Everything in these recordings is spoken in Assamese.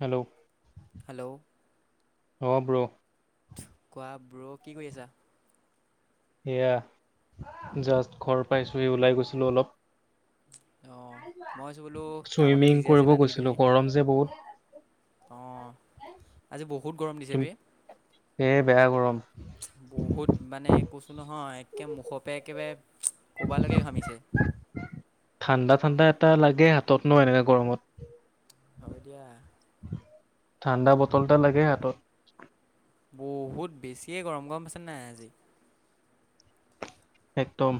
হেল্ল' হেল্ল' অব্ৰ কোৱা ব্ৰ কি কৰি আছা এয়া জাষ্ট ঘৰ পাইছোহি ওলাই গৈছিলো অলপ অঁ মই ভাবিছোঁ বোলো কামতে চুইমিং বিজি কৰিব গৈছিলো গৰম যে বহুত আহ আজি বহুত গৰম দিছে তুম বে এ বেয়া গৰম কছো নহয় একে মুখপে একেবাৰে কৰবালৈকে ঘামিছে টা লাগে হাতত ন এনেকা গৰমত হয় দিয়া ঠাণ্ডা বটল এটা লাগে হাতত বহুত বেছিয়ে গৰম গৰম আছে নাই আজি একদম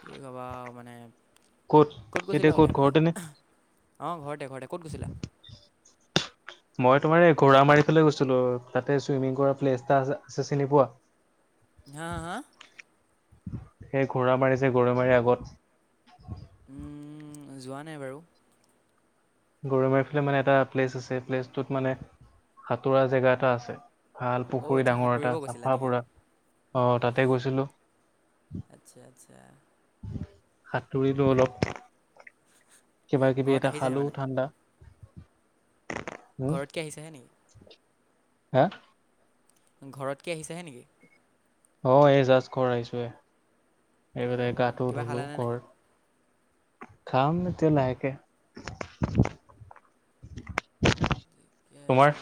কি কবা মানে ক'ত গৈছিলা এতিয়া ওলাই পেলাই ঘৰতে নে অ ঘৰতে ঘৰতে ক'ত গৈছিলা মই তোমাৰ এই ঘোৰা মাৰি ফালে গৈছিলো তাতে চুইমিং কৰা প্লেছ এটা আছে চিনি পোৱা হা হা সেই ঘোঁৰা মাৰিজে গৰৈ মাৰি আগত উম যোৱা নাই বাৰু গৰৈ মাৰি ফালে মানে এটা প্লেচ আছে প্লেচটোত মানে সাঁতোৰা জেগা এটা আছে ভাল অ' পুখুৰী আচ্ছা ডাঙৰ সাঁতুৰিব এটা গৈছিলা চাফা নেকি পুৰা আহ তাতে গৈছিলো আচ্ছা আচ্ছা হাতুৰিলো অলপ কিবা কিবি ঘৰত এটা আহিছাহে খালো মানে [unintelligible] উম ঘৰতকে আহিছেহে নি হা ঘৰত কি আহিছেহে নেকি অ এই জাজ ঘৰ আহিছো য়ে এইফালে অঁ গাটো কিবা ধুলো খালানে ঘ নাই খাম এতিয়া লাহেকে [unintelligible] তোমাৰ আছে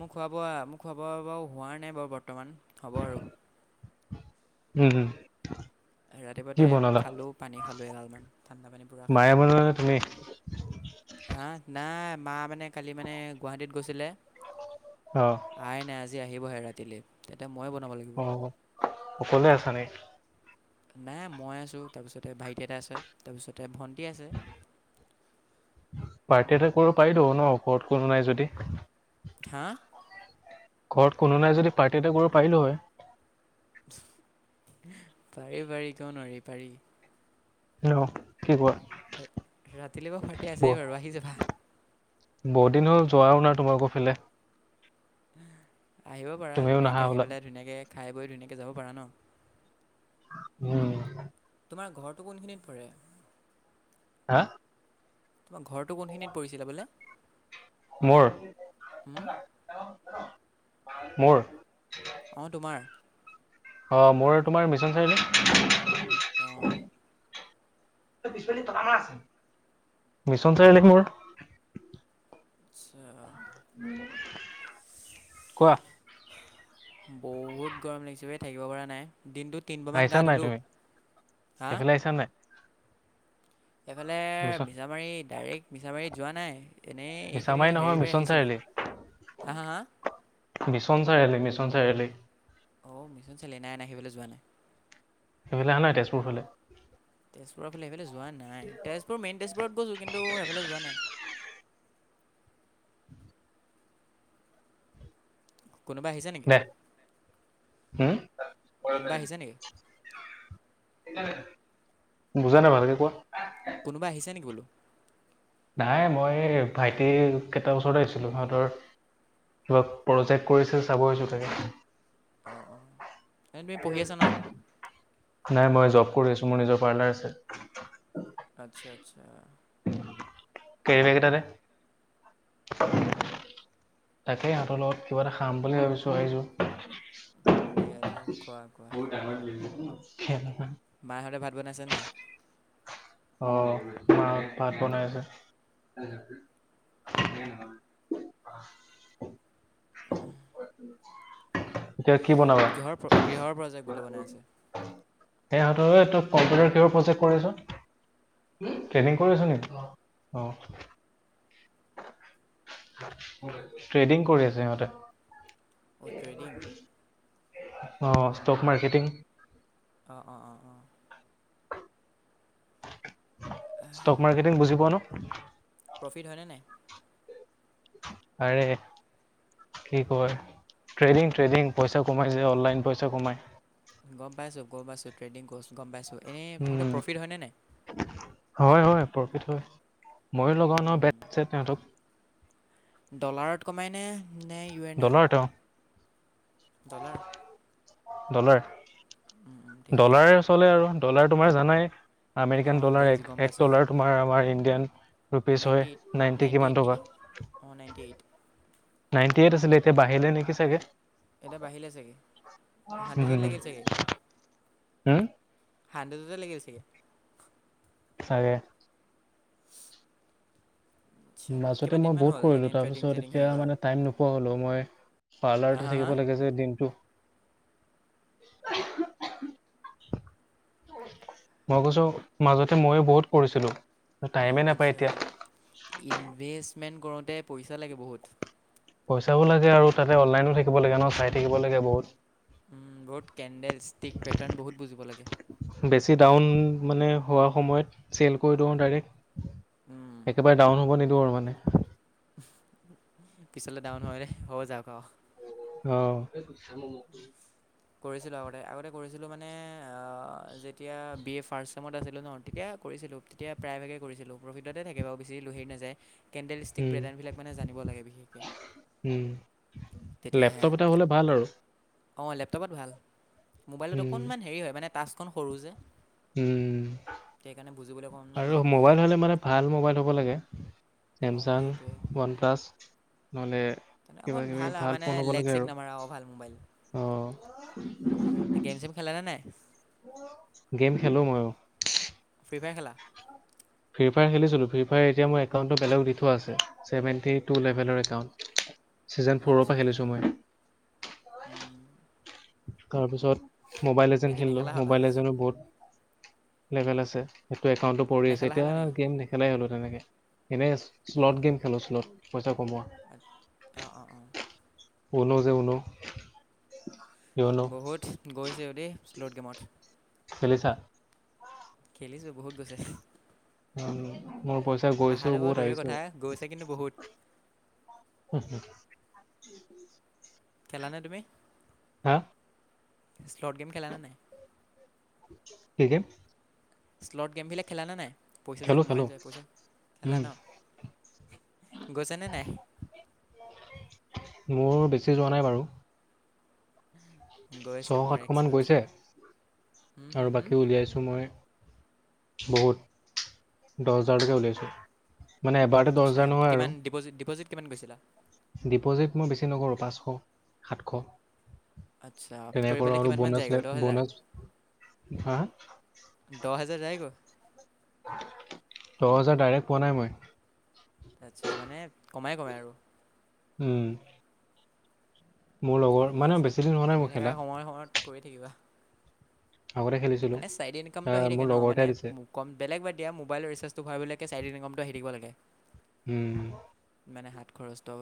মোৰ খোৱা বোৱা মোৰ খোৱা বোৱা হোৱা নাই বাৰু বৰ্তমান হ'ব আৰু উম হম কি ৰাতিপুৱাতে বনালা খালোঁ পানী খালোঁ এগালমান ঠাণ্ডা পানী পূৰা মায়ে খালোঁ বনালা নে তুমি হা নাই মা মানে কালি মানে গুৱাহাটীত গৈছিলে অ আহাই নাই আজি আহিবহে ৰাতিলে, তেতি অ অকলে আছা নি? নাই মই আছো, তাৰপিছতে ভাইটি এটা আছে, তাৰপিছতে ভন্টি [unintelligible] আছে। পাৰ্টি এটা কৰিব পাৰি দ ন ওপৰত কোনো নাই যদি ধ ঘৰত কোনো নাই যদি পাৰ্টি এটা কৰিব পাৰিলো হয় পাৰি পাৰি কিয় নোৱাৰি পাৰি ন কি কোৱা ৰাতিলৈ বৌ ফাৰটি ব আছে বাৰু আহি যাবা বহুত দিন হ'ল যোৱাও নাই তোমালোকৰফালে আহিব পাৰা নাহা ধুনীয়াকৈ আহি হ'লা পেলাই ধুনীয়াকৈ খাই বৈ ধুনীয়াকৈ যাব পাৰা ন উম তোমাৰ ঘৰটো কোনখিনিত পৰে হা তোমাৰ ঘৰটো কোনখিনিত পৰিছিলে বোলে মোৰ মোৰ অ তোমাৰ অ মোৰ তোমাৰ মিছন চাৰিআলে তেওঁ মিছন চাৰিআলক মোৰ আচ্ছা কোৱা বহুত গৰম লাগিছে বে থাকিব পৰা নাই দিনটো তিনিবামান আহিছা গা নাই ধুলোঁ তুমি হা এইফালে আহিছা নাই এইফালে মিছন মিছামাৰী ডাইৰেক্ট মিছামাৰীত যোৱা নাই এনেই এইখিনি মিছামাৰি হেৰি নহয় পৰাই মিছন আহিছিলোঁ চাৰিআলি হা হা হা mission Chariali mission mission Chariali অ' মিচন চাৰিআলি নাই-নাই সেইফালে যোৱা নাই। সেইফালে আহা নাই তেজপুৰৰ ফালে তেজপুৰৰ ফালে সেইফালে যোৱা নাই, তেজপুৰ মেইন তেজপুৰত গৈছোঁ কিন্তু সেইফালে যোৱা নাই। কোনোবা আহিছে নেকি? হম কোনোবা আহিছে নেকি? বুজা নাই ভালকৈ কোৱা। কোনোবা আহিছে নেকি বোলো। নাই মই ভাইটি কেইটা ওচৰত আহিছিলোঁ সিহঁতৰ কিবা প্ৰজেক্ট কৰিছে, চাব আহিছোঁ তাকে। অ'-অ' এনে তুমি পঢ়ি আছা ন'? নাই মই জব কৰি আছোঁ মোৰ নিজৰ পাৰ্লাৰ আছে। আচ্ছা-আচ্ছা। কেৰিবেগ এটা দে তাকে সিহঁতৰ লগত কিবা এটা খাম বুলি ভাবিছোঁ, আহিছোঁ। দিয়া-দিয়া। বহুত ডাঙৰ বিল [unintelligible] মাহঁতে ভাত বনাইছে নাই? অ' মা ভাত বনাই আছে। উম [unintelligible] [unintelligible] এতিয়া কি বনাবা? পোৰ [unintelligible] বনাই আছে সেহঁতৰ এইো তোক কম্পিউটাৰ কিহোৰ প্ৰজেক্ট কৰে ন ট্ৰেইনিং কৰি আছো নেকি অ ট্ৰেডিং কৰি আছে ইিহঁতে অ' ট্ৰেডিং অ ষ্টক মাৰ্কেটিং অঁ অঁ অঁ অঁ অঁ ষ্টক মাৰ্কেটিং বুজি পোৱা ন প্ৰফিট হয়নে নাই আৰে কি কয় ট্ৰেডিং ট্ৰেডিং পইচা কমাই যে অনলাইন পইচা কমাই গম পাইছোঁ গম পাইছোঁ ট্ৰেডিং গম পাইছোঁ এনেই সেইটো উম প্ৰফিট হয়নে নাই হয় হয় প্ৰফিট হয় মইো লগা ন উম, বেত ছেত সিহতক ডলাৰত কমাইনে নে ইউ এন আৰ ডলাৰত অ ডলাৰ ডলাৰ উম, উম, ঠিকে আছে ডলাৰ চলে আৰু ডলাৰ তোমাৰ জানাই আমেৰিকান অঁ ডলাৰ দেখিছোঁ এক গম এক পাইছোঁ ডলাৰ তোমাৰ আমাৰ ইণ্ডিয়ান ৰুপিজ হয় নাইণ্টি এইট নাইনটি নাইণ্টি কিমান এইট টকা নেকি অঁ নাইণ্টি এইট নাইনটি এইট আছিলল এতিয়া বাহিল নেকি চাগ এতিয়া বাঢ়িলে চাগে হাডজত উম লাগিল চাগে হম হাণ্ড্ৰেডতে লাগি চাগে চাগে আচ্ছা মাজতে কিমান মই দিনমান বহুত হ'ল কৰিলোঁ এনেই ট্ৰেডিং তাৰপিছত চেডিং হেৰি এতিয়া কৰা মানে টাইম নোপোৱা হ'লোঁ মই হা পাৰ্লাৰতে হা হা থাকিব লাগে যে দিনটো মই কৈছো মাজতে ময়ো বহুত পঢ়ছিলো আচছা ইনভেষ্টমেন্ট কৰোতে পইচা লাগে বহুত পইচাও লাগে আৰু তাতে অনলাইনো থাকিব লাগে ন চাই থাকিব লাগে বহুত উ বত কেণ্ডেল ষ্টিক পেটাৰণ বহুত বুজিব লাগে বেছি ডাউন মানে হোৱা সময়ত চেল কৰি দিও উম, ডাইৰেক্ট একেবাৰে ডাউন হব নিদিওঁ আৰু মানে পিচল ডাউন হয় নৰে হ যাব খও অ কৰিছিলো আগতে আগতে কৰিছিলো মানে যেতিয়া বি এ ফাৰ্ষ ত আছিলো ন তেতিয়া কৰিছিলো তেতিয়া প্ৰায়ভাগে কৰিছিলো প্ৰফিটতে থাকে বাৰু বেছি লোহে নাযায় কেণ্ডেল ষ্টিক উম প্ৰেদানবিলাক মানে জানিব লাগে বিশেষকে উম লেপটপ এটা হ'লে ভাল আৰু অঁ লেপটপত ভাল মোবাইলত উম অকণমান হেৰি হয় মানে টাছখন সৰু যে উম সেইকাৰণে বুজিবলৈ অকণমান আৰু অসুবিধা হয়। মোবাইল হলে মানে ভাল মোবাইল হ'ব লাগে চছেমচাং ওৱান প্লাছ নহ'লে নে কিবা অকখন কিবি ভাল মানে ফোন হ'ব লেগ লাগে চেগ আৰু নামাৰা অ ভাল মোবাইল অ গেম চেম খেলা নে নাই গেম খেলো মইয়ো ফ্ৰীফায়াৰ খেলা ফ্ৰীফায়াৰ খেলিছিলোঁ ফ্ৰ্ৰীফায়াৰ এতিয়া মোৰ একাউণ্টটো বেলেগ দি থোৱা আছে ছেভেন্টি টু লেভেলৰ একাউণ্ট ছিজন ফ'ৰৰ পৰা আচ্ছা, খেলিছো মই উম, তাৰ পিছত মোবাইল এতিয়া এজন কি খেলিলো নেখেলা হ'লা? মবাইল এজেনো বহুত লেভেল আছে সটো একাউণ্টো পৰি আছে নেখেলা এতিয়া হ'লা নেকি? গেম নেখেলাই হ'লো তেনেকে এনে শ্লট গেম খেলো শ্লট পইচা কমোৱা আচা অঁ অঁ ঊনো যে উনো বহুত গৈছে অ দে শ্লোট গেমত খেলিছা। খেলিছো বহুত গৈছে। মোৰ পইচা গৈছো আহাটো বাৰু বহুত দূৰৰে আহিছে কথা ও। গৈছে কিন্তু বহুত উম হম [inaudible] খেলা নাই তুমি? হা। ই-স্লটছ গেম খেলা নে নাই। কি গেম? শ্লেট গেমবিলাক খেলা নে নাই পইচা যে খেলো সোমাই খেলো যায় পইচা খেলা উম ন। গৈচেনে নাই। মোৰ বেছি যোৱা নাই বাৰু। গৈছে ছশ মোৰ সাতশ মান এক্সত গৈছে হুম হুম আৰু হুম বাকী উলিয়াইছো মই। বহুত দহ হেজাৰ লৈকে উওলাইছোঁ। মানে এবাৰতে দহ আচ্ছা হেজাৰ নহয় আৰু কিমান ডিপ'জিট ডিপ'জিট কিমান গৈছিলা ডিপজিট মই বেছি নকৰোঁ। পাঁচশ সাতশ। আচ্ছা তেনে কৰি কৰোঁ পেলাই আৰু কিমানমান যায়গৈ বনাছ দহ হেজাৰ বনাছ হা দহ হাজাৰ যায় গৈ। দহ হেজাৰ ডাইৰেক্ট পোৱা নাই মই। আচ্ছা মানে কমাই কমাই আৰু। উম মোৰ লগৰ ঠিকে মানে আছে বেছি দিন হোৱা নাই এনেই মোৰ থকা খেলা। সময় সময়ত কৰি থাকিবা। আগতে খেলিছিলোঁ মানে ছাইড ইনকামটো আহ আহি মোৰ থাকে ন লগৰ মানে এটাই দিছে কম বেলেগ বাদ দিয়া মোবাইল ৰিচাৰ্জটো ভৰাবলৈ। ছাইড ইনকামটো আহি থাকিব লাগে। উম মানে হাত খৰচটো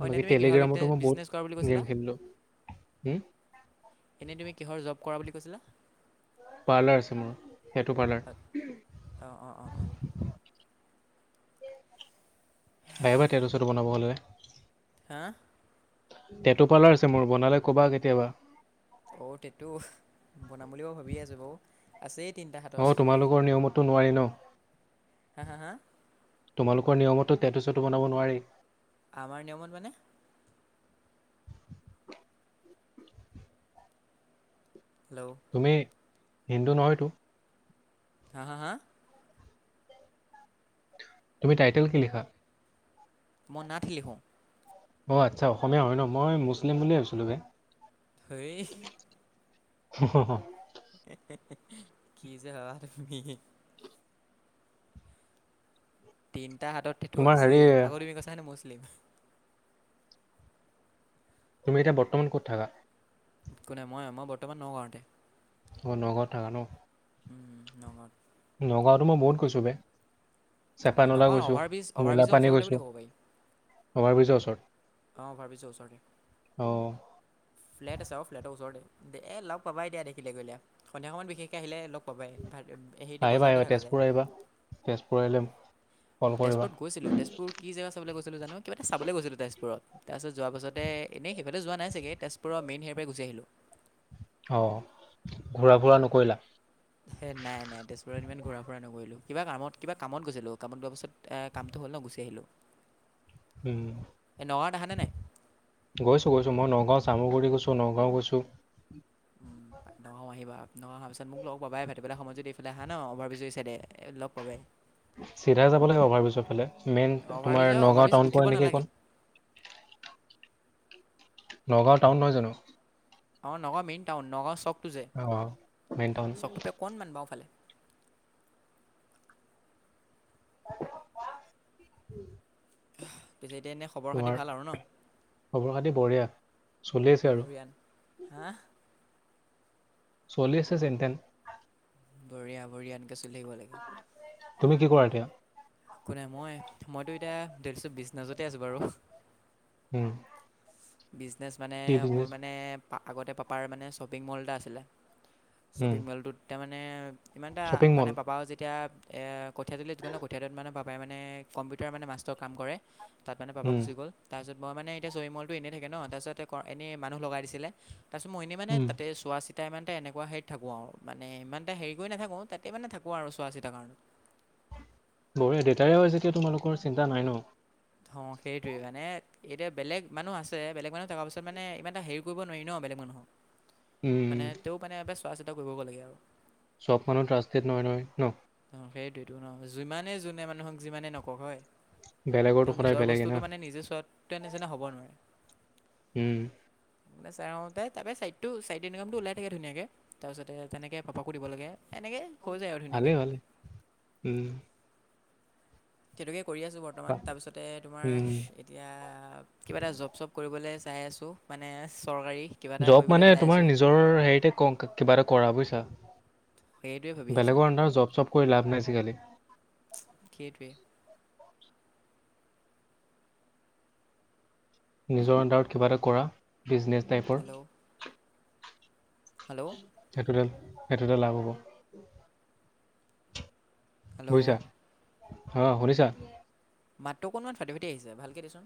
অ এনেই বাকী তুমি কিহৰ বিজনে টেলিগ্ৰামতো মই বিজনেছ কৰা বুলি বহুত কৈছিলা গেম খেলিলোঁ হ এনেই তুমি কিহৰ জব কৰা বুলি কৈছিলা? পাৰ্লাৰ আছে মোৰ। টেটু পাৰ্লাৰ অঁ অঁ অঁ অঁ আহিবা তোৰ ওচৰতো বনাব হলে। হা টেটুপাল্লাৰ আছে মোৰ বনালে কবা কেতিয়াবা? অ তেটো বনাম বুলিও ভাবিয়ে আছো বৌ আছে। অ তোমালোকৰ নিয়মতো নোৱাৰি ন? হা হা হা তোমালোকৰ নিয়মতো টেটু চেটো বনাব নোৱাৰি? আমাৰ নিয়মত মানে? হেল্ল' তুমি হিন্দু নহয়তো? হা হা হা তুমি টাইটেল কি লিখা? মই নাথ লিখো। অ আচ্ছা অসমীয়া হয় ন মই মুছলিম বুলিুলিয় ভাবিছিলোঁ ব হ হ হ কি যেমি তিনিটা হাতত টেটো তোমাৰ হেৰি আছেই আকৌ তুমি কৈছা হেনো মুছলিম তুমি এতিয়া বর্তমান ক'ত থাকা কোনে মই মই বৰ্তমান নগওঁতে অঁ নগাঁৱত থাকা ন উম, নগ নগাঁৱটো মই বহুত কৈছোঁ বে। অ', চেপানলা নগাঁও গৈছো অভাৰ ব্ৰিজ, অভাৰ ব্ৰিজৰ ওচৰতে বুলি ক'ব পাৰি। অভাৰব্ৰীজৰ ওচৰত। অ', অভাৰব্ৰীজৰ ওচৰতে। অ ফ্লেট আছে, ফ্লেটৰ ওচৰতে এ লগ পাবা এতিয়া দেখিলে গে সন্ধিয়া সময়ত বিশেষকে আহিলে লগ পাবাই ভা- হেৰিতে আহিবা, বজাৰতে আহিবা থকা যায়। তেজপুৰ আহিবা, তেজপুৰ আহিলেম তেজপুৰত গৈছিলোঁ তেজপুৰ কি জেগা চাবলৈ গৈছ [unintelligible] কিবা এটা চাবলৈ গৈছিলো তেজপুৰত তাৰছত যোৱা পাছতে এনেই সেই যোৱা নাই চাগে তেজপুৰৰ মেইন হে পাই গুচি আহিলোঁ। অ', ঘূৰা-ফুৰা নকৰিলা? হে নাই, নাই তেজপুৰত ইমান ঘূৰা-ফুৰা নকৰিলোঁ। কিবা কামত, কিবা কামত গৈছিলোঁ কামত গোৱাৰ পাছত কামটো হ'ল ন' গুচি আহিলো। উম, গৈছোঁ, গৈছোঁ মই নগাঁও চামুগুৰি গৈছোঁ, নগাঁও গৈছোঁ। নহ অহাৰ পিছত মোক লগ পাবাই ভাটি বেলা সময় যদি এফালে আহা নহয় অভাৰ ব্ৰিজৰ এই চাইদে এ লগ পাবাই। চিধাই যাব লাগে, অভাৰব্ৰীজৰ ফালে মেইন তোমাৰ অভাৰব্ৰিজ নগাঁও অভাৰব্ৰিজ টাউন উঠিব পোৱা নেকি নালাগে এইকণ নগাঁও টাউন নহয় জানো? অ', নগাঁও মেইন টাউন, নগাঁও চৰটো যে অ মেইন টাউন চকটোৰ পাই অকণমান বাওঁফালে। [inaudible] পিছে এতিয়া এনেই খবৰ খাতি তোমাৰ ভাল আৰু ন'? খবৰ খাতি বঢ়িয়া চলি আছে আৰু। বঢ়িয়ান হা চলি আছে যেন তেন। বঢ়িয়া, বঢ়িয়া এনকে চল আহিব লাগে। তুমি কি কৰা এতিয়া? এক নাই, মই মইতো এতিয়া ডেলচ বিছনাছতে আছোঁ বাৰু। উম। বিজনেছ মানে কি মোৰ বিজনেছ মানে আগতে পাপাৰ মানে শ্বপিং মল এটা আছিলে। উম শ্বপিং মলটোত তাৰমানে ইমান এটা শ্বপিং মানে মল পাপাও যেতিয়া এ কঠীয়াটো য কঠীয়াটোত মানে পাপাই মানে কম্পিউটাৰ মানে মাষ্টৰ কাম কৰে। তাত মানে পাপা উম গুচি গ'ল তাৰপিছত মই মানে এতিয়া চৰিমলটো এই থাকে ন' তাৰপিছত এনেই মানুহ লগাই দিছিলে। তাৰপিছত মইনে মানে উম তাতে চোৱা চিত তেয়া ইমান এতে এনেকুৱা হেৰিত থাকো আৰু মানে ইমান এটা হেৰি কৰি নাথাকোঁ তাতে মানে থাকোঁ আৰু চোৱা চিতা কাৰণত। [inaudible] বঢি দেউেতাইও যেতিয়া তোমালোকৰ চিন্তা নাই ন'। অ', সেইটোৱে মানে এতিয়া বেলেগ মানুহ আছে বেলেগ মানুহ থকা পাছত মানে ই এ হেৰি কৰিব নোৱাৰি ন' বেলেগ মানুহক। উম মানে তেওঁ মানে এয়াৰ পা চোৱা চিতা কৰিবগৈ লাগে আৰু। চব মানুহ ট্ৰাষ্টেড নহয়, নহয়, নহ। অ' সেইটোৱে টো নহ যিমানে যোনে মানুহক যিমানে নকওঁক হয়। বেলেগৰতো তেওঁ সদায় নিজৰ বেলেগে বস্তুতটো না মানে নিজে চোৱাতে নিচিনা হ'ব নোৱাৰে। উম। চেওঁতে তাৰাপৰা ছাইডটো ছাইডটো ইনকামটো ওলাই থাকে ধুনীয়াকৈ। তাৰপিছতে তেনেকৈ পাপাকো দিব লাগে। এনেকে হৈ যায় আৰু ধুনীয়াকে। ভালেই ভালেই উম। সেইটোকে কৰি আছোঁ। বৰ্তমান বাহ তাৰপিছতে উম তোমাৰ এতিয়া কিবা এটা জব চ'ব কৰিবলৈ। চাই আছোঁ, মানে চৰকাৰী। কিবা এটা জব্দ কৰিবলৈ মানে চাই তোমাৰ আছোঁ নিজৰ হেৰিতে ক কিবা এটা কৰা বুজিছা। সেইটোৱে ভাবি আছোঁ বেলেগৰ আন্দাৰত জব্দ চপ কৰি লাভ নাই আজিকালি। সেইটোৱে নিজৰ আন্দাৰত কিবা এটা কৰা ব্ৰিজনেছ টাইপৰ। হেল্ল' হেল্ল' সেইটোতে সেইটোতে লাভ হ'ব হেল্ল' বুজিছা অ শুনিছা মাতটো অকণমান ফাটি ফাটি আহিছে ভালকে দেচোন